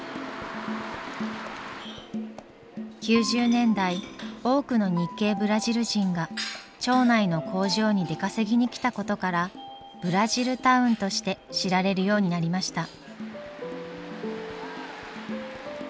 ９０年代多くの日系ブラジル人が町内の工場に出稼ぎに来たことからブラジルタウンとして知られるようになりました。